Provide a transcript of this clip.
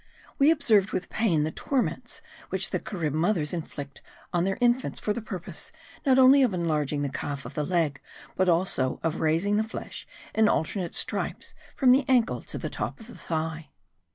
We observed with pain the torments which the Carib mothers inflict on their infants for the purpose not only of enlarging the calf of the leg, but also of raising the flesh in alternate stripes from the ankle to the top of the thigh.